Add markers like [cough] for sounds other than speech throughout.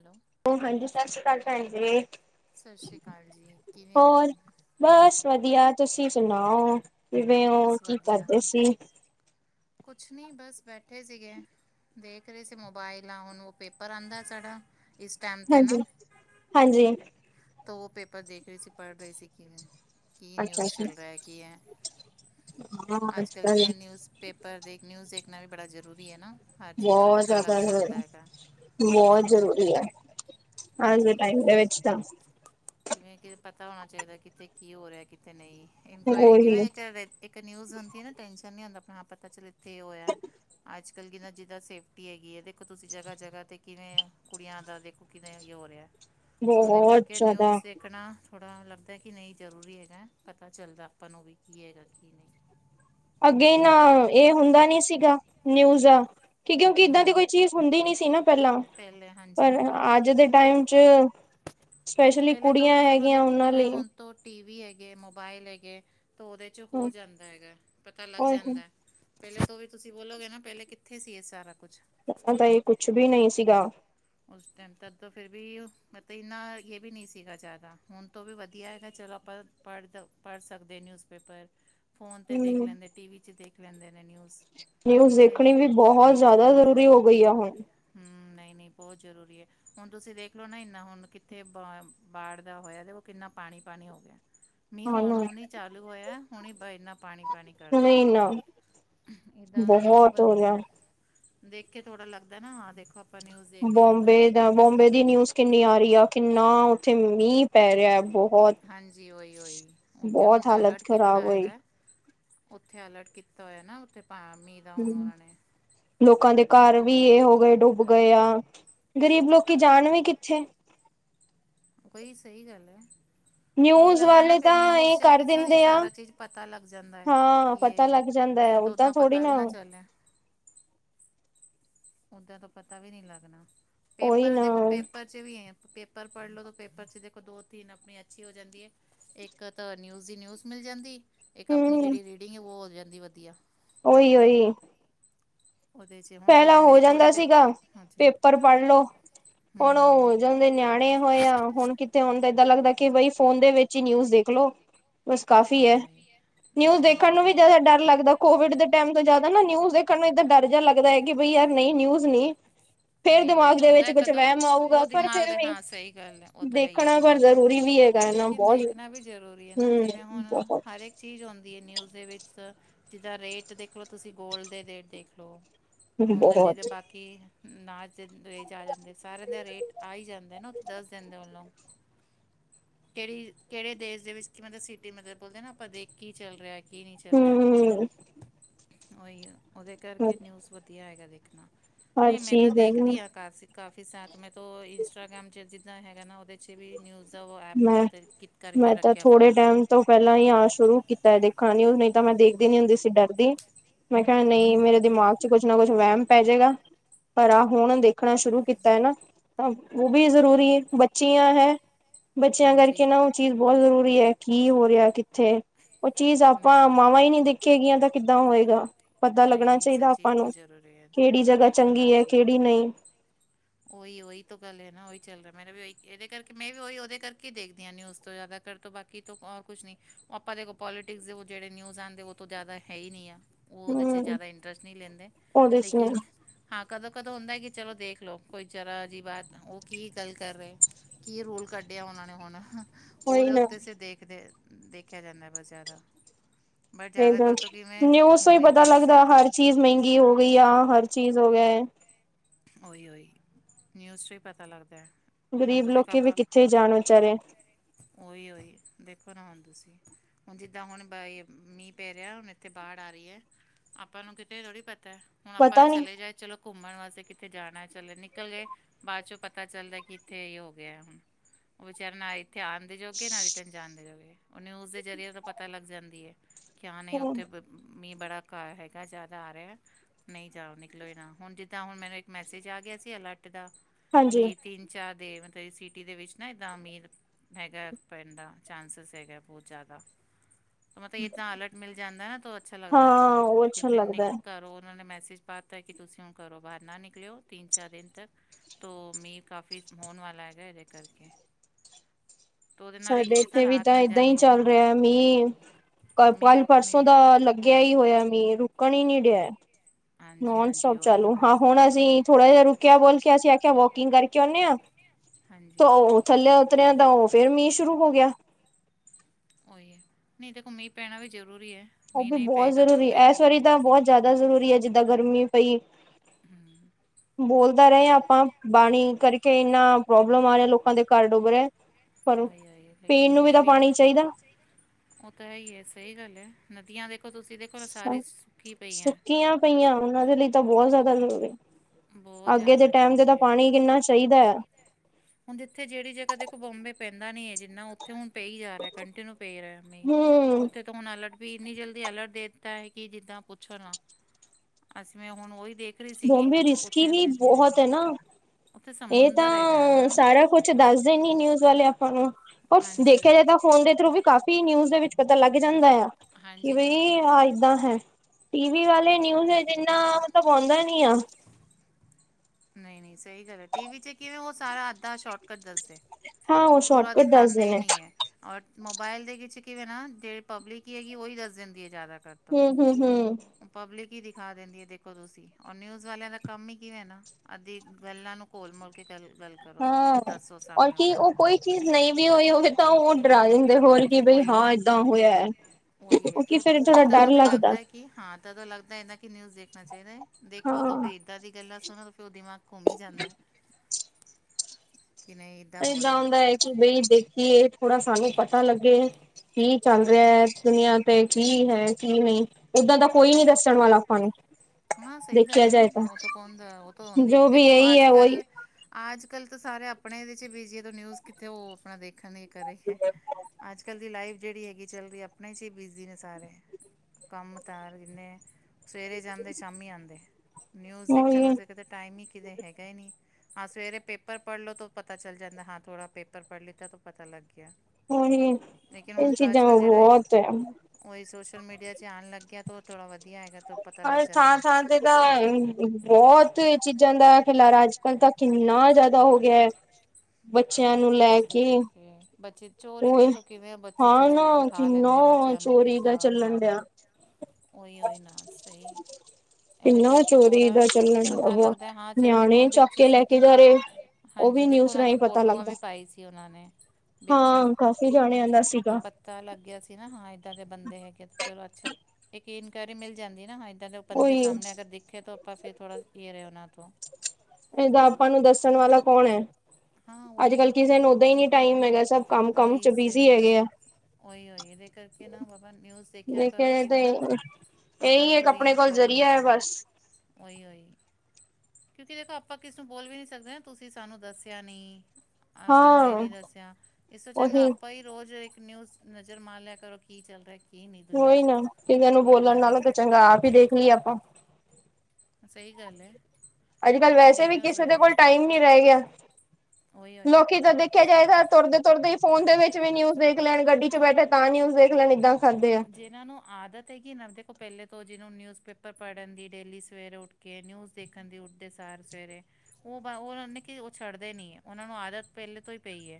Hello ਹਾਂਜੀ, ਸਤਿ ਸ਼੍ਰੀ ਅਕਾਲ ਭੈਣ ਜੀ। ਸਤਿ ਸ਼੍ਰੀ ਅਕਾਲ ਜੀ ਕਿਵੇਂ ਹੋਰ- ਹੋ ਬਸ ਵਧੀਆ, ਤੁਸੀਂ ਸੁਣਾਓ, ਕਿਵੇਂ ਹੋ, ਬਸ ਕੀ ਵਧੀਆ ਕਰਦੇ ਸੀ? ਕੁਛ ਨਹੀਂ, ਬਸ ਬੈਠੇ ਸੀਗੇ। ਦੇਖ ਰਹੇ ਸੀ ਮੋਬਾਇਲ ਆ ਹੁਣ, ਉਹ ਪੇਪਰ ਆਉਂਦਾ ਚੜਾ ਇਸ ਟਾਈਮ 'ਤੇ ਹਾਂਜੀ ਨਾ ਹਾਂਜੀ, ਤਾਂ ਉਹ ਪੇਪਰ ਦੇਖ ਰਹੀ ਸੀ ਪੜ੍ਹ ਰਹੀ ਸੀ ਕਿ ਕੀ ਅੱਛਾ ਨਿਊਜ਼ ਅੱਛਾ ਚੱਲ ਰਿਹਾ ਹੈ ਕੀ ਹੈ ਹਾਂ ਅੱਜ ਕੱਲ੍ਹ ਕੱਲ ਕਿਵੇਂ ਨਿਊਜ਼ ਪੇਪਰ ਦੇਖ ਨਿਊਜ਼ ਦੇਖਣਾ ਵੀ ਬੜਾ ਜ਼ਰੂਰੀ ਹੈ ਨਾ ਹਰ ਚੀਜ਼ ਦਾ ਬਹੁਤ ਪਤਾ ਲੱਗ ਜ਼ਿਆਦਾ ਹੋ, ਜਾਂਦਾ ਹੈਗਾ ਬਹੁਤ ਅੱਛਾ ਜ਼ਰੂਰੀ ਆ ਅਜ ਦੇ ਜੀ ਟਾਈਮ ਦੇ ਵਿੱਚ ਤਾਂ ਕਿਵੇਂ ਕਿ ਪਤਾ ਹੋਣਾ ਚਾਹੀਦਾ ਕਿੱਥੇ ਕੀ ਹੋ ਰਿਹਾ ਕਿਥੇ ਨਹੀਂ ਇਨਕੁਆਰੀ ਉਹੀ ਕਿਵੇਂ ਇੱਕ ਨਿਊਜ਼ ਹੁੰਦੀ ਹੈ ਨਾ ਟੈਨਸ਼ਨ ਨੀ ਹੁੰਂਦਾ ਆਪਣਾ ਹਾਂ ਪਤਾ ਚੱਲ ਇੱਥੇ ਹੋਇਆ ਅੱਜ ਕੱਲ੍ਹ ਕਿ ਨਾ ਜਿੱਦਾਂ ਸੇਫਟੀ ਹੈਗੀ ਹੈ ਦੇਖੋ ਤੁਸੀਂ ਜਗ੍ਹਾ- ਜਗ੍ਹਾ ਤੇ ਕਿਵੇਂ ਕੁੜੀਆਂ ਦਾ ਦੇਖੋ ਕਿ ਹੋ ਰਿਹਾ ਤੇ ਉਹਦੇ ਬਹੁਤ ਕਰਕੇ ਜ਼ਿਆਦਾ ਨਿਊਜ਼ ਰੱਖਣਾ ਥੋੜ੍ਹਾ ਲੱਗਦਾ ਕਿ ਨਹੀਂ ਜ਼ਰੂਰੀ ਹੈਗਾ ਪਤਾ ਚੱਲਦਾ ਆਪਾਂ ਨੂੰ ਵੀ ਕੀ ਹੈਗਾ ਕੀ ਨਹੀਂ ਅੱਗੇ ਨਾ ਇਹ ਹੁੰਦਾ ਨੀ ਸੀਗਾ ਨਿਊਜ਼ ਕਿ, ਕਿਉਂਕਿ ਇੱਦਾਂ ਦੀ ਕੋਈ ਹੂੰ ਚੀਜ਼ ਹੁੰਦੀ ਨੀ ਸੀ ਨਾ ਪਹਿਲਾਂ, ਪਹਿਲੇ ਹਾਂਜੀ ਪਰ ਉਹੀ ਉਹੀ ਅੱਜ ਦੇ ਟਾਈਮ ਚ ਸਪੈਸ਼ਲੀ ਪਹਿਲੇ ਕੁੜੀਆਂ ਚਲੋ ਹੈਗੀਆਂ ਦੇਖੋ ਉਹਨਾਂ ਕਿਵੇਂ ਲਈ ਹੁਣ ਤੋਂ ਟੀ ਵੀ ਹੈਗੇ ਮੋਬਾਇਲ ਹੈਗੇ ਤਾਂ ਉਹਦੇ ਵਿੱਚ ਹੋ ਜਾਂਦਾ ਹੈਗਾ ਪਤਾ ਲੱਗ ਉਹੀ ਜਾਂਦਾ ਪਹਿਲੇ ਤੋਂ ਵੀ ਤੁਸੀਂ ਬੋਲੋਗੇ ਨਾ ਪਹਿਲੇ ਕਿੱਥੇ ਸੀ ਇਹ ਸਾਰਾ ਕੁਛ ਪਤਾ ਕੁੱਛ ਵੀ ਨਹੀਂ ਸੀਗਾ ਉਸ ਟਾਈਮ ਤਦੋਂ ਫਿਰ ਵੀ ਮਤਲਬ ਇੰਨਾ ਇਹ ਵੀ ਨਹੀਂ ਸੀਗਾ ਜ਼ਿਆਦਾ ਹੁਣ ਤੋਂ ਵੀ ਵਧੀਆ ਹੈਗਾ ਚਲੋ ਆਪਾਂ ਪੜ੍ਹਦਾ ਪੜ੍ਹ ਸਕਦੇ ਨਿਊਜ਼ਪੇਪਰ ਫੋਨ 'ਤੇ ਦੇਖ ਹਮ ਲੈਂਦੇ, ਟੀ ਵੀ 'ਚ ਦੇਖ ਲੈਂਦੇ ਨੇ ਨਿਊਜ਼ ਨਿਊਜ਼ ਇਹਦੇ ਦੇਖਣੀ ਵੀ ਕਰ ਬਹੁਤ ਜ਼ਿਆਦਾ ਜ਼ਰੂਰੀ ਹੋ ਗਈ ਆ ਹੁਣ ਹਮ, ਨਹੀਂ- ਨਹੀਂ ਬਹੁਤ ਜ਼ਰੂਰੀ ਹੈ ਹੁਣ ਤੁਸੀਂ ਦੇਖ ਲੋ ਨਾ ਇੰਨਾ ਹੁਣ ਕਿੱਥੇ ਬ ਬਾੜ ਦਾ ਹੋਇਆ ਕਿੰਨਾ ਪਾਣੀ ਪਾਣੀ ਹੋ ਗਿਆ, ਮੀਂਹ ਹਾਂ ਹੁਣ ਹੁਣ ਹੀ ਚਾਲੂ ਹੋਇਆ ਹੁਣ ਇੰਨਾ ਪਾਣੀ- ਪਾਣੀ ਹੁਣ ਕਰਤਾ ਇਨਾ ਇਹ ਤਾਂ ਇਹ ਬਹੁਤ ਖਬਰ ਹੋ ਗਿਆ ਦੇਖ ਕੇ ਥੋੜਾ ਲੱਗਦਾ ਨਾ ਹਾਂ ਦੇਖੋ ਆਪਾਂ ਨਿਊਜ਼ ਦੇਖ ਬੋਬੰਏ ਦਾ ਬੋਬੰਏ ਦੀ ਨਿਊਜ਼ ਕਿੰਨੀ ਆ ਰਹੀ ਆ ਕਿੰਨਾ ਉੱਥੇ ਮੀਂਹ ਪੈ ਰਿਹਾ ਬੋ ਹਾਂਜੀ ਓਹੀ- ਓਹੀ ਉੱਥੇ ਹੁਣ ਤਾਂ ਹਾਲਤ ਅਲਰਟ ਖ਼ਰਾਬ ਕੀਤਾ ਹੋਈ ਹੈਗਾ ਉੱਥੇ ਅਲਰਟ ਕੀਤਾ ਹੋਇਆ ਨਾ ਉੱਥੇ ਭ ਹਮ ਲੋਕਾਂ ਦੇ ਘਰ ਵੀ ਇਹ ਹੋ ਗਏ ਡੁੱਬ ਗਏ ਆ ਗ਼ਰੀਬ ਲੋਕੀ ਜਾਣ ਵੀ ਕਿੱਥੇ ਬਈ ਸਹੀ ਗੱਲ ਹੈ ਉਹੀ ਨਿਊਜ਼ ਲੱਗਦਾ ਨਾ ਵਾਲੇ ਫਿਰ ਤਾਂ ਨਿਊਜ ਇਹ ਚ ਕਰ ਕਿਸੇ ਦੀ ਦਿੰਦੇ ਆ ਸਾਰਾ ਚੀਜ਼ ਪਤਾ ਲੱਗ ਜਾਂਦਾ ਹੈ ਹਾਂ ਕਿ ਪਤਾ ਇਹ ਲੱਗ ਜਾਂਦਾ ਹੈ ਮ ਓਦਾਂ ਉੱਦਾਂ ਥੋੜ੍ਹੀ ਪਤਾ ਵੀ ਨਾ ਚੱਲੇ ਉਦਾਂ ਤੋਂ ਪਤਾ ਵੀ ਨਹੀ ਲੱਗਣਾ ਉਹੀ ਪੇਪਰ ਨਾ ਦੇਖੋ ਪੇਪਰ ਬੱਚੇ ਵੀ ਹੈ ਪੇਪਰ ਪੜ੍ਹ ਲੋ ਤਾਂ ਪੇਪਰ ਚ ਦੇਖੋ ਦੋ ਤਿੰਨ ਆਪਣੀ ਅੱਛੀ ਹੋ ਜਾਂਦੀ ਹੈ ਇੱਕ ਤਾਂ ਨਿਊਜ਼ ਦੀ ਨਿਊਜ਼ ਮਿਲ ਜਾਂਦੀ ਇੱਕ ਆਪਣੀ ਹਮ ਜਿਹੜੀ ਰੀਡਿੰਗ ਉਹ ਹੋ ਜਾਂਦੀ ਵਧੀਆ ਉਹੀ ਉਹੀ,, ਉਹਦੇ ਚ, ! ਪਹਿਲਾਂ ਹੋ ਜਾਂਦਾ ਸੀਗਾ,,,,,, ਪੇਪਰ ਪੜ ਲੋ,,,, ਹੁਣ ਉਹ ਹੂੰ ਹੋ ਜਾਂ! ਦੇ ਨਿਆਣੇ ਹੋਏ ਆ, ਹੁਣ ਕਿੱਥੇ ਹੁਣ ਤਾਂ ਏਦਾਂ ਲੱਗਦਾ ਕਿ ਬਈ ਫੋਨ ਦੇ ਵਿੱਚ ਹੀ ਨਿਊਜ਼ ਦੇਖਲੋ! ਬਸ ਕਾਫੀ ਓਏ ਹੈ,,,,,, ਓਏ ਨਿਊਜ਼ ਨਹੀਂ ਦੇਖਣ ਨੂੰ ਵੀ ਓਏ ਜਿਆਦਾ ਡਰ ਲੱਗਦਾ! ਕੋਵਿਡ ਦੇ ਟਾਈਮ ਤੋਂ ਜ਼ਿਆਦਾ ਨਾ ਨਿਊਜ਼ ਦੇਖਣ ਨੂੰ ਇਦਾ ਡਰ ਜਿਹਾ ਲੱਗਦਾ ਹੈ ਕਿ ਬਈ ਯਾਰ ਨਹੀਂ ਨਿਊਜ ਨਹੀ! ਉਹੀ ਉਹੀ ਹੁੰਦਾ ਕਦੋਂ,,,,, ਉਹ ਪਰ ਦਿਮਾਗ ਫਿਰ ਤੇ ਵੀ ਹਾਂ ਸਹੀ ਗੱਲ ਹੈ ਉਹ ਤਾਂ ਹੈ ਹੀ ਦੇਖਣਾ ਪਰ ਦਿਮਾਗ ਤੇ, ਜ਼ਰੂਰੀ ਵੀ ਹੈਗਾ ਹੈ ਨਾ ਲੇਕਿਨ ਬਹੁਤ ਦੇਖਣਾ ਵੀ ਜ਼ਰੂਰੀ ਹੈ ਨਾ ਜਿਵੇਂ ਹਮ ਹੁਣ ਬਹੁਤ ਹਰ ਇਕ, ! ਚੀਜ਼ ਹੁੰਦੀ ਹੈ ਨਿਊਜ਼ ਦੇ,,,, ਵਿੱਚ ਜਿਦਾ ਰੇਟ ਦੇਖ ਲਓ ਤੁਸੀਂ ਗੋਲਡ ਦੇ ਰੇਟ ਦੇਖ ਲਓ,, ਹੁਣ ਜੀ ਤੇ ਬਹੁਤ ਬਾਕੀ, ਨਾਚ ਦੇੇਜ ਆ ਜਾਂਦੇ ਸਾਰਿਆਂ ਦੇ ਰੇਟ ਆ ਹੀ ਜਾਂਦੇ ਨਾ ਉੱਥੇ ਦੱਸ ਦਿੰਦੇ ਉਹ ਲੋਕ, ਕਿਹੜੀ ਕਿਹੜੇ ਦੇਸ਼ ਦੇ ਵਿੱਚ ਕੀ ਮਤਲਬ ਸਿਟੀ ਮਤਲਬ ਬੋਲਦੇ ਨਾ ਆਪਾਂ ਦੇਖ ਕੀ ਚੱਲ ਰਿਹਾ? ਕੀ ਨਹੀਂ ਚੱਲ ਹਮ ਰਿਹਾ,,,,,, ਉਹੀ ਉਹਦੇ ਕਰਕੇ ਨਿਊਜ਼, ਵਧੀਆ ਹੋਏ ਗਾ ਦੇਖਣਾ ਹਰ ਨਹੀਂ ਮੈਂ ਤਾਂ ਚੀਜ਼ ਹੈ ਦੇਖਦੀ ਹਾਂ ਕਾਰਸਿਕ, ਕਾਫੀ ਸਾਥ ਮੈਂ ਤੋਂ ਇੰਸਟਾਗ੍ਰਾਮ ਚ ਜਿੱਦਾਂ ਹੈਗਾ ਨਾ ਉਹਦੇ ਚ ਵੀ ਨਿਊਜ਼ ਵ,,,,, ਮੈਂ ਮਤਲਬ ਕਿਤ ਕਰਕੇ ਮੈਂ ਤਾਂ ਰੱਖਿਆ ਥੋੜੇ ਫੋਲੋ! ਟਾਈਮ ਤੋਂ ਪਹਿਲਾਂ ਹੀ ਆ ਸ਼ੁਰੂ ਕੀਤਾ ਹੈ ਦੇਖਣ ਨਿਊਜ਼ ਨਹੀਂ ਤਾਂ ਮੈਂ ਦੇਖਦੀ ਨੀ ਹੁੰਦੀ ਸੀ ਡਰਦੀ, ਮੈਂ ਕਿਹਾ ਨਹੀਂ ਮੇਰੇ ਦਿਮਾਗ ਚ ਕੁਛ ਨਾ ਕੁਛ ਵਹਿਮ ਪੈ ਜਾਏਗਾ। ਪਰ ਆ ਹੁਣ ਦੇਖਣਾ ਸ਼ੁਰੂ ਕੀਤਾ ਹੈ ਨਾ ਤਾਂ ਉਹ ਵੀ ਜ਼ਰੂਰੀ ਬੱਚੀਆਂ ਹੈ। ਬੱਚਿਆਂ ਹਾਂਜੀ ਕਰਕੇ ਨਾ ਉਹ ਚੀਜ਼ ਬਹੁਤ ਜ਼ਰੂਰੀ ਹੈ ਕੀ ਹੋ ਰਿਹਾ ਕਿੱਥੇ? ਉਹ ਚੀਜ਼ ਆਪਾਂ ਮਾਵਾਂ ਹੀ ਨਹੀਂ ਦੇਖੇਗੀਆਂ ਤਾਂ ਕਿੱਦਾਂ ਹੋਏਗਾ ਪਤਾ ਲੱਗਣਾ ਚਾਹੀਦਾ ਆਪਾਂ ਨੂੰ। ਕਿਹੜੀ ਜਗ੍ਹਾ ਚੰਗੀ ਹੈ ਕਿਹੜੀ ਨਹੀ, [inaudible] ਉਹੀ ਉਹੀ ਤੋਂ ਗੱਲ ਹੈ ਨਾ ਉਹੀ ਚੱਲ ਰਿਹਾ ਮੈਂ ਨੇ ਵੀ ਉਹੀ ਇਹਦੇ ਕਰਕੇ ਮੈਂ ਵੀ ਉਹੀ ਉਹਦੇ ਕੇ ਦੇਖਦੀ ਹਾਂ ਨਿਊਜ਼ ਤੋਂ ਜ਼ਿਆਦਾ ਕਰ ਤੋਂ ਬਾਕੀ,, ਕੀ ਤੋਹ ਓਰ ਕੁਛ ਨੀ ਆਪਾਂ ਦੇਖੋ ਪੋਲੀਟਿਕਸ ਦੇ ਉਹ ਜਿਹੜੇ ਨਿਊਜ਼ ਆਂਦੇ ਵੋ ਜ਼ਿਆਦਾ ਹੈ ਹੀ ਨੀ ਆ। ਉਹ ਉਹਦੇ ਚ ਹਮ ਜ਼ਿਆਦਾ ਇੰਟਰਸਟ ਨਹੀਂ ਲੈਂਦੇ ਉਹਦੇ ਚ ਲੇਕਿਨ, ਹਾਂ ਕਦੋਂ ਕਦੋਂ ਹੁੰਦਾ ਕਿ ਚਲੋ ਦੇਖ ਲੋੋ ਕੋਈ ਜਰਾ ਜਿਹੀ ਬਾਤ ਉਹ ਕੀ ਗੱਲ ਕਰ ਰਹੇ। ਕੀ ਰੋਲ ਕੱਢਿਆ ਉਹਨਾ ਨੇ ਹੁਣ? ਉਹੀ ਉਹਦੇ ਨਾ ਉੱਤੇ ਅਸੀ ਦੇਖਦੇ ਦੇਖਿਆ ਜਾਂਦਾ ਬਸ ਜ਼ਿਆਦਾ। ਬਟ ਜ਼ਿਆਦਾਤਰ ਨਿਊਜ਼ ਤੋਂ ਕਿਵੇਂ ਤੋਂ ਹੀ ਹੁਣ ਇਹ ਪਤਾ ਜਿਹੜੀ ਲੱਗਦਾ ਸੇਫਟੀ ਹਰ ਚੀਜ਼ ਮਹਿੰਗੀ ਹੋ ਗਈ ਆ ਹਰ ਚੀਜ਼ ਹੋ ਗਿਆ ਉਹੀ ਉਹੀ ਨਿਊਜ਼ ਚ ਹੀ ਪਤਾ ਲੱਗਦਾ। ਹੁਣ ਗਰੀਬ ਤਾਂ ਦੇਖ ਲੋਕੀ ਵੀ ਆਪਾਂ ਕਿੱਥੇ ਜਾਣ ਵਿਚਾਰੇ? ਉਹੀ ਉਹੀ ਦੇਖੋ ਤਾ ਹੁਣ ਤੁਸੀ। ਹੁਣ ਜਿੱਦਾਂ ਹੁਣ ਮੀਂਹ ਪੈ ਰਿਹਾ ਹੁਣ ਇੱਥੇ ਬਾਡ ਆ ਰਹੀ ਹੈ। ਆਪਾਂ ਨੂੰ ਕਿਤੇ ਥੋੜੀ ਪਤਾ ਹੈ ਹੁਣ ਆਪਾਂ ਤਾਂ ਪਤਾ ਨੀ ਚਲੇ ਜਾਏ ਚਲੋ ਘੁੰਮਣ ਵਾਸਤੇ ਕਿਤੇ। ਕਿਥੇ ਜਾਣਾ ਚੱਲ ਨਿਕਲ ਗਏ,, ਬਾਅਦ ਚੋਂ ਪਤਾ ਚੱਲਦਾ ਕਿ ਇੱਥੇ ਇਹ ਹੋ ਗਿਆ ਹੁਣ? ਉਹ ਵਿਚਚਾਰ ਨਾਲ ਇੱਥੇ ਆਂ ਜੋਗੇ ਨਾ ਰਿਟਰਨ ਜਾਣਦੇ ਜੋਗੇ ਉਹ ਨਿਊਜ਼ ਦੇ ਜ਼ਰੀਏ ਤਾਂ ਪਤਾ ਲੱਗ ਜਾਂਦੀ ਹੈ ਕਿਆ ਨਹੀਂ ਉੱਥੇ, ਮੀਂਹ ਬੜਾ ਗਾਹ ਹੈਗਾ ਜਿਆਦਾ ਆ ਰਿਹਾ ਨਹੀ ਜਾਓ ਨਿਕਲੋ ਇਹ ਨਾ ਹੁਣ ਜਿੱਦਾਂ ਹੁਣ ਮੈ, ਮੈਸੇਜ ਆ ਗਿਆ ਸੀ ਅਲਰਟ ਦਾ ਹਾਂਜੀ ਤਿੰਨ ਚਾਹ ਦੇਵਤੇ ਸਿਟੀ ਦੇ ਵਿੱਚ ਨਾ ਏਦਾਂ ਅਮੀਰ ਹੈਗਾ ਪੈਦਾ ਚਾਨਸ ਹੈਗਾ ਬਹੁਤ ਜ਼ਿਆਦਾ। ਮਤਲਬ ਇੱਦਾਂ ਅਲਰਟ ਮਿਲ ਜਾਂਦਾ ਨਾ ਤੋ ਉਹ ਅੱਛਾ ਹਾਂ ਲੱਗਦਾ ਥੋੜ੍ਹਾ ਉਹ ਕਿ ਅੱਛਾ ਫਿਰ ਨੀ ਲੱਗਦਾ ਹੈ। ਘਰੋਂ ਉਹਨਾਂ ਨੇ ਮੈਸੇਜ ਬਾਤ ਹੈ ਕਿ ਤੁਸੀ ਘਰੋਂ ਬਾਹਰ ਨਾ ਨਿਕ। ਲਿਓ ਤਿੰਨ ਚਾਰ ਦਿਨ ਤੱਕ ਮੀਂਹ ਕਾਫੀ ਹੋਣ ਵਾਲਾ ਹੈਗਾ ਇਹਦੇ ਕਰਕੇ। [inaudible] ਨਾਲ ਇੱਕ ਸਾਡੇ ਕਿਸ ਤਰ੍ਹਾਂ ਇੱਥੇ ਵੀ ਰਾਹਤ ਤਾਂ ਮਿਲ ਏਦਾਂ ਹੀ ਜਾਂਦੀ ਚੱਲ ਹਾਂ ਰਿਹਾ ਮੀਹ। ਕੱਲ ਮੀਂਹ ਕੱਲ ਰੁਕ ਨਹੀਂ ਪਰਸੋਂ ਰਿਹਾ ਨਾ ਦਾ ਲੱਗਿਆ ਹੀ ਹੋਇਆ ਮੀਂਹ ਰੁਕਣ ਹੀ ਨੀ ਡਿਆ। ਹਾਂਜੀ ਨੋਨ ਹਾਂਜੀ ਸਟੋਪ ਉਹੀ ਚਾਲੂ ਉਹੀ ਹਾਂ ਹੁਣ ਅਸੀਂ ਥੋੜ੍ਹਾ ਜਿਹਾ ਰੁਕਿਆ ਬੋਲ ਕੇ ਅਸੀ ਆਖਿਆ ਵੋਕਿੰਗ ਕਰਕੇ ਆਉਦੇ ਹਾਂ। [inaudible] ਫਿਰ ਮੀਹ ਸ਼ੁਰੂ ਹੋ ਗਿਆ। ਗਿਆ। ਉਹੀ ਹੈ ਨਹੀਂ ਤੇ ਕੋ ਮੀਂਹ ਪੈਣਾ ਵੀ ਜ਼ਰੂਰੀ ਹੈ। ਉਹ ਮੀਂਹ ਵੀ ਨਹੀਂ ਬਹੁਤ ਪਏਗਾ ਤਾਂ ਜ਼ਰੂਰੀ ਫਿਰ ਵੀ ਇਸ ਵਾਰੀ ਤਾਂ ਬਹੁਤ ਜ਼ਿਆਦਾ ਜ਼ਰੂਰੀ ਹੈ। ਜਿੱਦਾਂ ਗਰਮੀ ਪਈ। [inaudible] ਬੋਲਤਾਂ ਰਹੇ ਹਾਂ ਆਪਾਂ ਪਾਣੀ ਕਰਕੇ ਇੰਨਾ ਪ੍ਰੋਬਲਮ ਆ ਰਿਹਾ ਲੋਕਾਂ ਦੇ ਘਰ ਡੁੱਬ ਰਹੇ। ਪਰ ਉਹੀ ਉਹੀ ਪੀਣ ਲੇਕਿਨ ਨੂੰ ਵੀ ਮੀਂਹ ਤਾਂ ਪਾਣੀ ਚਾਹੀਦਾ। ਉਹ ਤਾਂ ਹੈ ਹੀ ਹੈ ਸਹੀ ਗੱਲ ਹੈ ਨਦੀਆਂ ਦੇਖੋ ਤੁਸੀਂ ਦੇਖੋ ਨਾ ਸਾਰੀ ਸੁੱਕੀ ਪਈਆਂ। ਸੁੱਕੀਆਂ ਪਈਆਂ ਉਹਨਾਂ ਦੇ ਲਈ ਤਾਂ ਬਹੁਤ ਜ਼ਿਆਦਾ ਜਰੂਰੀ। ਬਹੁਤ ਅੱਗੇ ਦੇ ਜ਼ਿਆਦਾ ਟਾਈਮ ਤੇ ਤਾਂ ਜ਼ਰੂਰੀ ਹੈ ਪਾਣੀ ਕਿੰਨਾ ਚਾਹੀਦਾ ਹੈ। ਹੁਣ ਜਿੱਥੇ ਜਿਹੜੀ ਜਗ੍ਹਾ ਦੇਖੋ ਬੋਂਬੇ ਪੈਂਦਾ ਨਹੀ ਹੈ ਜਿੰਨਾ ਉਥੇ ਹੁਣ ਪਈ ਜਾ ਰਿਹਾ ਕੰਟੀਨਿਊ ਪੈ ਰਿਹਾ ਮੀਹ ਹਮ ਉੱਥੇ ਤਾਂ ਹੁਣ ਅਲਰਟ ਵੀ ਇੰਨੀ ਜਲਦੀ ਅਲਰਟ ਦੇ ਦਿੱਤਾ ਹੈ ਕਿ ਜਿੱਦਾਂ ਪੁੱਛੋ ਨਾ ਅਸੀਂ ਵ ਹੁਣ ਓਹੀ ਦੇਖ ਰਹੀ ਸੀਗੀ। ਕੀ ਉੱਥੇ ਵੀ ਪੈਂਦੀਆਂ ਹੈਗੀਆਂ ਬਹੁਤ ਹੈ ਨਾ ਉੱਥੇ ਇਹ ਸਮੁੰਦਰ ਹੈਗਾ ਤਾਂ ਨਾ ਸਾਰਾ ਕੁਛ ਦੱਸਦੇ ਨੀ ਨਿਊਜ਼ ਵਾਲੇ ਆਪਾਂ ਨੂੰ ਪਰ ਹਾਂਜੀ ਦੇਖਿਆ ਜਾਏ ਤਾਂ ਫੋਨ ਦੇ ਥਰੂ ਵੀ ਕਾਫੀ ਨਿਊਜ਼ ਦੇ ਵਿਚ ਪਤਾ ਲੱਗ ਜਾਂਦਾ ਆ ਕਿ ਹਾਂਜੀ ਹਾਂਜੀ ਬਈ ਆਹ ਉਹੀ ਏਦਾਂ ਹੈ। ਟੀ ਵੀੀ ਵਾਲੇ ਨਿਊਜ਼ ਹੈ ਜਿੰਨਾ ਮਤਲਬ ਆਉਂਦਾ ਨੀ ਆ [unintelligible] ਨਹੀਂ, ਨਹੀਂ ਸਹੀ ਗੱਲ ਹੈ ਟੀਵੀ ਚ ਕਿਵੇਂ ਉਹ ਸਾਰਾ ਅੱਧਾ ਸ਼ੋਟਕੱਟ ਦੱਸਦੇ। ਹਾਂ ਉਹ ਪੂਰਾ ਸ਼ੋਰਟਕਟ ਦੱਸਦੇ ਦਿਖਾਉਂਦੇ ਈ ਨੇ ਨਹੀਂ ਐ। ਔਰ ਮੋਬਾਇਲ ਦੇ ਵਿੱਚ ਕਿਵੇਂ ਨਾ ਜਿਹੜੀ ਪਬਲਿਕ ਈ ਉਹੀ ਦੱਸ ਦਿੰਦੀ ਐ ਜ਼ਿਆਦਾ ਕਰ ਤੋਂ ਹੂੰ ਹੂੰ ਹੂੰ ਪਬਲਿਕ ਹੀ ਦਿਖਾ ਦਿੰਦੀ ਹੈ ਦੇਖੋ ਤੁਸੀਂ ਰ ਨਿਊਜ਼ ਵਾਲਿਆਂ ਦਾ ਕੰਮ ਹੀ ਕਿਵੇਂ ਨਾ ਅਧੀ ਗੱਲਾਂ ਨੂੰ ਘੋਲ ਮੋਲ ਕੇ ਗੱਲ, ਗੱਲ ਕਰੋ ਹਾਂ ਦੱਸੋ ਔਰ ਸਾਹਮਣੇ ਕੀ ਵਾਲੇ ਨੂੰ ਉਹ ਕੋਈ ਚੀਜ਼ ਨਹੀਂ ਵੀ ਹੋਈ ਹੋਵੇ ਤਾਂ ਉਹ ਡਰਾਇਨ ਹੋਰ ਕੀ ਬਈ ਉਹੀ ਹਾਂ ਉਹੀ ਏਦਾਂ ਹੋਇਆ ਉਹੀ ਹੈ ਉਹ ਕੀ ਫੇਰ ਥੋੜਾ ਵੀ ਡਰ ਤਦੋਂ ਵੀ ਲੱਗਦਾ। ਹੈ ਕਿ ਹਾਂ ਤਾਂ ਤਾਂ ਲੱਗਦਾ ਇਦ ਕਿ ਨਿਊਜ਼ ਦੇਖਣਾ ਚਾਹੀਦਾ ਹੈ। ਦੇਖੋ ਤਾਂ ਫਿਰ ਹਾਂ। ਏਦਾਂ ਦੀ ਗੱਲਾਂ ਸੁਣੋ ਫਿਰ ਉਹ ਦਿਮਾਗ ਘੁੰਮੀ ਜਾਂਦਾ। ਕਿ ਨਹੀਂ। ਇੱਦਾਂ ਹੋ ਏਦਾਂ ਰਿਹਾ ਹੁੰਦਾ ਹੈ ਕਿ ਬਈ ਦੇਖੀਏ ਥੋੜਾ ਸਾਨੂੰ ਪਤਾ ਲੱਗੇ। ਕੀ ਚੱਲ ਰਿਹਾ ਹੈ ਦੁਨੀਆਂ ਤੇ ਕੀ ਹੈ ਕੀ ਨਹੀਂ। ਏਦਾਂ ਦਾ ਕੋਈ ਨੀ ਦੱਸਣ ਵਾਲਾ ਆਪਾਂ ਨੂੰ ਹਾਂ ਸਹੀ ਗੱਲ ਦੇਖਿਆ ਹੈ ਜਾਏ ਉਹ ਤਾਂ ਕੌਣਦਾ ਉਹ ਤਾਂ ਹੁੰਦੀ ਜੋ ਵੀ ਦੇਖੋ ਇਹੀ ਅੱਜ ਹੈ ਉਹੀ ਕੱਲ ਅੱਜ ਕੱਲ੍ਹ ਤਾਂ ਸਾਰੇ ਆਪਣੇ ਇਹਦੇ ਚ ਬੀਜੀਏ ਤੋਂ ਨਿਊਜ਼ ਕਿੱਥੇ ਉਹ ਆਪਣਾ ਦੇਖਣ ਗੇ। ਕਰੇ ਹੈ ਅੱਜ ਕੱਲ੍ਹ ਦੀ ਲਾਈਫ ਜਿਹੜੀ ਹੈਗੀ ਚੱਲ ਰਹੀ। ਨਹੀ ਸੀ ਬਿਜੀ ਨੇ ਸਾਰੇ ਕੰਮ ਕਾਰ ਇਨੇ ਸਵੇਰੇ ਜਾਂਦੇ ਸੀ। ਸ਼ਾਮੀ ਆਉਂਦੇ ਨਿਊਜ਼ ਦੇਖਣ ਉਹੀ ਵਾਸਤੇ ਕਤੇ ਟਾਈਮ ਹੀ ਕਿਤੇ ਹੈਗਾ ਹੀ ਨਹੀਂ। ਹਾਂ ਸਵੇਰੇ ਪੇਪਰ ਪੜ੍ਹ ਲਓ ਤਾਂ ਪਤਾ ਚੱਲ ਜਾਂਦਾ ਹਾਂ ਥੋੜ੍ਹਾ ਪੇਪਰ ਪੜ੍ਹ ਲਿੱਤਾ ਤਾਂ ਪਤਾ ਲੱਗ ਗਿਆ। ਹ ਲੇਕਿਨ ਹੁਣ ਇਹ ਤਾਂ ਚੀਜ਼ਾਂ ਅੱਜ ਕੱਲ੍ਹ ਜਿਹੜਾ ਹੈ ਬਹੁਤ ਏ। ਉਹੀ ਸੋਸ਼ਲ ਮੀਡੀਆ ਚ ਆਉਣ ਲੱਗਿਆ ਤਾਂ ਉਹ ਥੋੜਾ ਵਧੀਆ ਹੈਗਾ ਪਤਾ ਲੱਗ ਜਾਂਦਾ ਥਾਂ ਹੈ। ਥਾਂ ਤਾਂ ਬਹੁਤ ਚੀਜ਼ਾਂ ਦਾ ਖਿਲਾਰਾ ਅੱਜ ਕੱਲ ਤਾਂ ਕਿੰਨਾ ਜ਼ਿਆਦਾ ਹੋ ਗਿਆ। ਬੱਚਿਆਂ ਨੂੰ ਲੈ ਬ ਕੇ ਬੱਚੇ ਚੋਰ ਹੀ ਹੋਰ ਦੇਖੋ ਕਿਵੇਂ ਆ ਬੱਚੇ ਹਾਂ ਚੋਰ ਨਾ ਉਠਾ ਕਿੰਨਾ ਲੈਂਦੇ ਆ ਬੱਚਿਆਂ ਨੂੰ ਚੋਰੀ ਦਾ ਕਿੱਦਾਂ ਚੱਲਣ ਸਾਰਾ ਡਿਆ ਔ ਹੀ ਨਾ ਸਹੀ ਇਹਦੇ ਕਿੰਨਾ ਕਰਕੇ ਚੋਰੀ ਥੋੜ੍ਹਾ ਦਾ ਚੱਲਣ ਡਿਆ ਪਤਾ ਵਾ ਲੱਗਦਾ ਹਾਂ ਚੱਲ ਨਿਆਣੇ ਦੇਖਣ ਚੱਕ ਵਿੱਚ ਕੇ ਲੈ ਕੇ ਸੀਗੇ। ਜਾ ਰਹੇ ਉਹ ਹਾਂਜੀ ਵੀ ਦੇਖੋ ਨਿਊਜ਼ ਉਹਨਾਂ ਦੀ ਰਾਹੀਂ ਪਤਾ ਫੋਟੋਆਂ ਲੱਗਦਾ ਵੀ ਪਾਈ ਸੀ ਉਹ ਨੇ ਵਿੱਚ ਹਾਂ ਕਾਫ਼ੀ ਜਾਣਿਆਂ ਦਾ ਸੀਗਾ ਤਾਂ ਲੱਗ ਗਿਆ ਸੀ ਨਾ ਹਾਂ ਇੱਦਾਂ ਦੇ ਬੰਦੇ ਹੈਗੇ ਤੇ ਚਲੋ ਅੱਛਾ ਇੱਕ ਇਨਕੁਆਇਰੀ ਮਿਲ ਜਾਂਦੀ ਨਾ ਹਾਂ ਜਦੋਂ ਬੰਦੇ ਉਹੀ ਸਾਹਮਣੇ ਅਗਰ ਦੇਖੇ ਤੋ ਆਪਾਂ ਫਿਰ ਥੋੜਾ ਇਹ ਰਹੇ ਉਹਨਾਂ ਤੋਂ ਇਹਦਾ ਆਪਾਂ ਨੂੰ ਦੱਸਣ ਵਾਲਾ ਕੌਣ ਏ ਹਾਂ ਅੱਜ ਉਹੀ ਕੱਲ ਕਿਸੇ ਨੂੰ ਉਦਾਂ ਹੀ ਨੀ ਟਾਈਮ ਹੈਗਾ ਸਭ ਕੰਮ ਕੰਮ ਉਹੀ ਚ ਸਹੀ ਬਿਜੀ ਗੱਲ ਹੈਗੇ ਆ ਹੈ ਏ ਉਹੀ ਉਹੀ ਇਹਦੇ ਕਰਕੇ ਨਾ ਵਾਵਾ ਨਿਊਜ਼ ਦੇਖਿਆ ਕਰੋ ਲੇਕਿਨ ਕਿਵੇਂ ਨਾ ਤੇ ਆਪਾਂ ਇਹੀ ਨੂੰ ਇੱਕ ਥੋੜ੍ਹੀ ਆਪਣੇ ਕੋਲ ਇਨਕੁਆਇਰੀ ਜ਼ਰੀਆ ਮਿਲੀ ਹੈ ਰਹੇ ਬਸ ਉਹੀ ਉਹੀ ਕਿਉਂਕਿ ਦੇਖੋ ਆਪਾਂ ਕਿਸੇ ਨੂੰ ਬੋਲ ਵੀ ਨੀ ਸਕਦੇ ਨਾ ਤੁਸੀਂ ਸਾਨੂੰ ਦੱਸਿਆ ਨੀ ਆਹ ਸਾਨੂੰ ਇਹ ਹਾਂ ਨੀ ਦੱਸਿਆ ਇਸ ਤੋਂ ਚੰਗਾ ਉਹੀ ਆਪਾਂ ਹੀ ਰੋਜ਼ ਇੱਕ ਨਿਊਜ਼ ਨਜ਼ਰ ਮਾਰ ਲਿਆ ਕਰੋ ਕੀ ਚੱਲ ਰਿਹਾ ਕੀ ਨਹੀਂ ਦੁਨੀਆ ਓਈ 'ਚ ਨਾ ਕਿਸੇ ਨੂੰ ਇੱਕ ਬੋਲਣ ਹਜ਼ਾਰ ਨਾਲੋ ਤਾਂ ਚੰਗਾ ਆਪ ਹੀ ਦੇਖ ਲਈਏ ਆਪਾਂ ਸਹੀ ਗੱਲ ਏ ਅੱਜ ਕੱਲ ਵੈਸੇ ਵੀ ਕਿਸੇ ਦੇ ਕੋਲ ਟਾਈਮ ਨੀ ਰਹਿ ਗਿਆ ਉਹੀ ਉਹੀ ਲੋਕੀ ਤਾਂ ਦੇ ਦੇਖਿਆ ਜਾਏ ਤਾਂ, ਤੁਰਦੇ ਤੁਰਦੇ ਹੀ ਫੋਨ ਦੇ ਵਿੱਚ ਵੀ ਨਿਊਜ਼ ਦੇਖ ਲੈਣ, ਗੱਡੀ ਚ ਬੈਠੇ ਤਾਂ ਨਿਊਜ਼ ਦੇਖ ਲੈਣ, ਇੱਦਾਂ ਕਰਦੇ ਐ। ਜਿਹਨ੍ਹਾਂ ਨੂੰ ਆਦਤ ਹੈਗੀ, ਇਹ ਨਾ ਦੇਖੋ ਪਹਿਲੇ ਤੋਂ ਜਿਹਨੂੰ ਨਿਊਜ਼ਪੇਪਰ ਪੜ੍ਹਨ ਦੀ, ਡੇਲੀ ਸਵੇਰੇ ਉੱਠ ਕੇ। ਕੇ ਨਿਊਜ਼ ਦੇਖਣ ਦੀ ਉੱਠਦੇ ਸਾਰ ਸਵੇਰੇ, ਉਹ ਉਹ ਕਿ ਉਹ ਛੱਡਦੇ ਨੀ ਆ, ਉਹਨਾਂ ਨੂੰ ਆਦਤ। ਪਹਿਲੇ ਤੋਂ ਹੀ ਪਈ ਏ,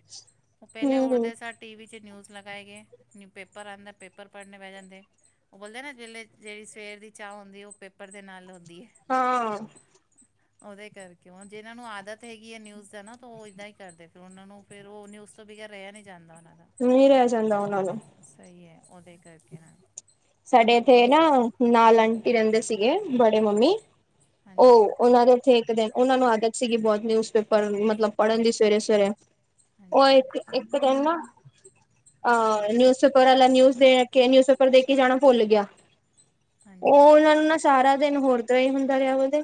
ਉਹ ਪਹਿਲੇ ਹਮ ਉਡਦੇ ਸਾਰ ਟੀ ਵੀ ਚ ਨਿਊਜ਼ ਲਗਾਏ ਗਏ, ਨੀ ਪੇਪਰ ਆਉਂਦਾ ਪੇ ਪੇਪਰ ਪੜ੍ਹਨੇ ਪੈ ਜਾਂਦੇ ਉਹ ਬੋਲਦੇ ਨਾ ਜੇਲੇ ਜਿਹੜੀ ਸਵੇਰ ਦੀ ਚਾਹ ਹੁੰਦੀ ਏ ਉਹ ਪੇਪਰ ਦੇ ਨਾਲ ਹੁੰਦੀ ਏ ਹਾਂ ਉਹਦੇ ਕਰਕੇ ਹੁਣ ਜਿਹਨਾਂ ਨੂੰ ਆਦਤ ਹੈਗੀ ਹੈ ਨਿਊਜ਼ ਦਾ ਨਾ ਤਾਂ ਉਹ ਏਦਾਂ ਹੀ ਕਰਦੇ ਫਿਰ ਉਹਨਾਂ ਨੂੰ ਫਿਰ ਉਹ ਨਿਊਜ਼ ਤੋਂ ਬਗੈਰ, ਰਿਹਾ ਨਹੀਂ ਜਾਂਦਾ ਉਹਨਾਂ ਦਾ। ਨਹੀਂ ਰਹਿ ਜਾਂਦਾ ਉਹਨਾਂ ਨੂੰ। ਸਹੀ ਏ, ਉਹਦੇ ਕਰਕੇ ਨਾ ਸਾਡੇ ਇੱਥੇ ਇਸ- ਨਾ ਨਾਲ ਆਂਟੀ ਰਹਿੰਦੇ ਸੀਗੇ, ਬੜੇ ਮੰਮੀ। ਔ ਹਾਂਜੀ ਉਹਨਾਂ ਦੇ ਇਕ ਦਿਨ, ਉਹਨਾਂ ਨੂੰ ਆਦਤ ਸੀਗੀ, ਬਹੁਤ ਨਿਊਜ਼ਪੇਪਰ ਮਤਲਬ ਪੜ੍ਹਨ ਦੀ ਸਵੇਰੇ-ਸਵੇਰੇ। ਔ ਹਾਂਜੀ ਇਕ ਇਕ ਦਿਨ ਨਾ, ਨਿਊਜ਼ਪੇਪਰ ਵਾਲਾ ਨਿਊਜ਼ ਦੇਕੇ ਨਿਊਜ਼ਪੇਪਰ ਦੇਕੇ ਦੇ ਕੇ ਜਾਣਾ ਭੁੱਲ ਗਿਆ, ਔ ਹਾਂਜੀ ਉਹਨਾਂ ਨੂੰ ਨਾ ਸਾਰਾ ਦਿਨ ਹੋਰ ਤਰਾ ਹੀ ਹੁੰਦਾ ਰਿਹਾ ਉਹਦੇ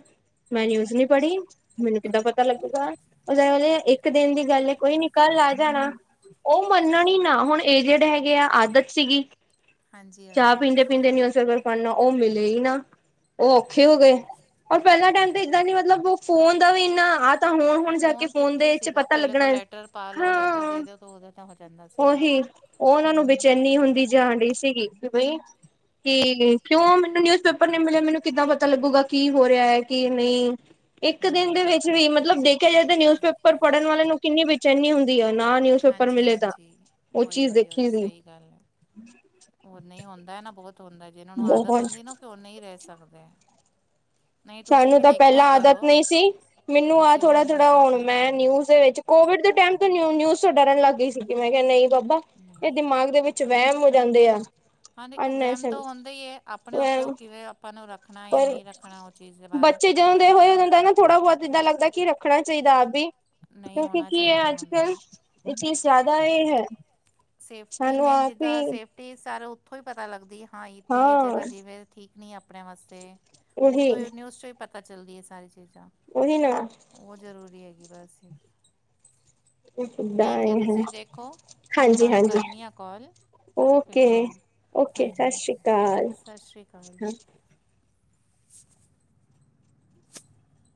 ਮੈਂ ਨਿਊਜ਼ ਨਹੀਂ ਪੜ੍ਹੀ ਮੈਨੂੰ ਕਿੱਦਾਂ ਪਤਾ ਲੱਗੂਗਾ, ਉਹ ਇੱਕ ਦਿਨ ਦੀ ਗੱਲ ਏ, ਕੋਈ ਨੀ ਕੱਲ ਆ ਜਾਣਾ। ਔ ਮੰਨਣਾ ਨੀ ਨਾ ਹੁਣ ਏਜੇਡ ਹੈਗੇ ਆ ਐ, ਆਦਤ ਸੀਗੀ। ਹਾਂਜੀ ਚਾਹ ਹਾਂਜੀ ਪੀਂਦੇ ਪੀਂਦੇ ਨਿਊਜ਼ਪੇਪਰ ਪੜਨਾ, ਉਹ ਮਿਲੇ ਹੀ ਨਾ। ਔ ਔਖੇ ਹੋ ਗਏ, ਔਰ ਪਹਿਲਾ ਟਾਈਮ ਤੇ ਇਦਾਂ ਸੀ ਮਤਲਬ ਉਹ ਫੋਨ ਦਾ ਵੀ ਇੰਨਾ, ਆਹ ਤਾਂ ਹੁਣ ਹੁਣ ਜਾ ਕੇ ਫੋਨ ਦੇ ਕਿੱਥੇ ਵਿੱਚ ਸੀਗਾ ਪਤਾ ਪਹਿਲੇ ਤੋਂ ਲੱਗਣਾ, ਲੈਟਰ ਪਾ ਲਓ ਲੈਟਰ ਹਾਂ, ਦੇ ਦਿਓ ਤਾਂ ਉਹਦੇ ਤਾਂ ਹੋ ਜਾਂਦਾ ਸੀਗਾ ਉਹੀ ਔ ਉਹਨਾਂ ਨੂੰ ਹੁਣ ਬੇਚੈਨੀ ਹੁੰਦੀ ਜਾਣ ਡਈ ਸੀਗੀ, ਕਿ ਬਈ ਕਿ ਕਿਉਂ ਮੈਨੂੰ ਨਿਊਜ ਪੇਪਰ ਨੀ ਮਿਲਿਆ, ਮੈਨੂੰ ਕਿੱਦਾਂ ਪਤਾ ਲੱਗੂਗਾ ਕੀ ਹੋ ਰਿਹਾ ਹੈ ਕੀ ਨਹੀਂ ਇੱਕ ਦਿਨ ਨਹੀਂ ਦੇ ਵਿੱਚ ਵੀ ਮਤਲਬ ਦੇਖਿਆ ਜਾਏ ਤੇ, ਨਿਊਜ਼ਪੇਪਰ ਪੜ੍ਹਨ ਵਾਲਿਆਂ ਨੂੰ ਕਿੰਨੀ ਬੇਚੈਨੀ ਹੁੰਦੀ ਹੈ, ਨਾ ਨਿਊ ਹਾਂਜੀ, ਹਾਂਜੀ, ਔਹੀ, ਔਹੀ, ਔਹੀ ਸੀ ਸਹੀ ਗੱਲ ਏ, ਉਹ ਨਹੀਂ ਹੁੰਦਾ ਨਾ ਬਹੁਤ ਹੁੰਦਾ, ਜਿਨਾਂ ਨੂੰ ਆਦਤ ਬਹੁਤ ਹੁੰਦੀ ਨਾ ਫਿਰ ਉਹ ਨਹੀਂ ਰਹਿ ਸਕਦੇ ਏ ਸਾਨੂੰ ਤਾਂ ਪਹਿਲਾਂ ਆਦਤ ਕਰੋ ਨਹੀਂ ਸੀ, ਮੈਨੂੰ ਆਹ ਤੁਸੀਂ ਵੀ ਥੋੜਾ ਥੋੜਾ ਨਿਊਜ਼ ਹੁਣ ਦੇਖਿਆ ਮੈਂ ਕਰੋ ਨਿਊਜ਼ ਦੇ ਵਿੱਚ ਕੋਵਿਡ ਦੇ ਟਾਈਮ ਤੋਂ ਨਿਊਜ਼ ਤੋਂ ਡਰਨ ਲੱਗ ਗਈ ਸੀਗੀ, ਮੈਂ ਕਿਹਾ ਨਹੀਂ ਬਾਬਾ ਇਹ ਨਹੀਂ ਦਿਮਾਗ ਦੇ ਵਿੱਚ ਚ ਵਹਿਮ ਹੋ ਜਾਂਦੇ ਆ ਹਾਂ ਦੇਖੋ ਅਨ ਵਹਿਮ ਤਾਂ ਹੁੰਦਾ ਹੀ ਏ, ਆਪਣੇ ਉੱਤੇ ਉਹ ਕਿਵੇਂ ਆਪਾਂ ਨੂੰ ਰੱਖਣਾ ਜਾਂ ਪਰ ਨਹੀਂ ਰੱਖਣਾ। ਚੀਜ਼ ਦੇ ਬਾਰੇ ਬੱਚੇ ਜਦੋਂ ਦੇ ਹੋਏ, ਉਹੋਂ ਦਾ ਨਾ ਥੋੜ੍ਹਾ ਬਹੁਤ ਇੱਦਾਂ ਲੱਗਦਾ ਕਿ ਰੱਖਣਾ ਚਾਹੀਦਾ ਆਪ ਵੀ। ਨਹੀਂ ਕਿਉਂਕਿ ਹੋਣਾ ਕੀ ਹੈ ਚਾਹੀਦਾ ਅੱਜ ਹੁਣ ਤੋਂ ਕੱਲ੍ਹ, ਇਹ ਚੀਜ਼ ਜ਼ਿਆਦਾ ਇਹ ਹੈ। ਸੇਫਟੀ, ਸਾਨੂੰ ਮੈਂ ਆਪ ਜਿੱਦਾਂ ਹੀ ਸੇਫ ਟੀ, ਸਾਰੀ ਉੱਥੋਂ ਹੀ ਪਤਾ ਲੱਗਦੀ ਏ, ਹਾਂ ਇੱਥੇ ਇਹ ਹਾਂ ਜਗ੍ਹਾ ਜਿਵੇਂ ਠੀਕ ਨਹੀਂ ਆਪਣੇ ਵਾਸਤੇ। ਉਹੀ ਉੱਥੋਂ ਹੀ ਨਿਊਜ਼ ਚੋ ਹੀ ਪਤਾ ਚੱਲਦੀ ਏ, ਸਾਰੀ ਚੀਜ਼ਾਂ। ਉਹੀ ਨਾਲ ਉਹ ਜ਼ਰੂਰੀ ਹੈਗੀ, ਬਸ ਹੀ ਇਸ ਦਾ ਆ ਹੈ ਏ ਹੈਂ, ਤੁਸੀਂ ਦੇਖੋ ਮੈਂ ਹਾਂਜੀ ਤੁਹਾਨੂੰ ਹਾਂਜੀ। ਕਰਨੀ ਆ ਕਾਲ ਫਿਰ ਔਕੇ ਤੋਂ ਔਕੇ ਸਤਿ ਹਾਂਜੀ ਸ਼੍ਰੀ ਅਕਾਲ, ਸਤਿ ਸ਼੍ਰੀ ਅਕਾਲ ਹਾਂਜੀ। [unintelligible]